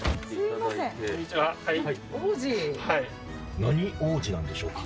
何王子なんでしょうか。